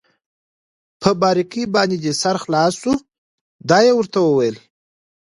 په باریکۍ باندې دې سر خلاص شو؟ دا يې ورته وویل.